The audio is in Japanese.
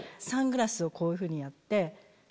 サングラスをこういうふうにやって。